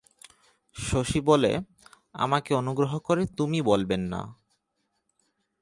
শশী বলে, আমাকে অনুগ্রহ করে তুমি বলবেন না।